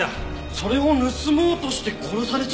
それを盗もうとして殺されちゃった！？